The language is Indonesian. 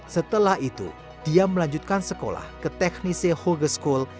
setelah itu dia melanjutkan sekolah ke teknisi hogeschool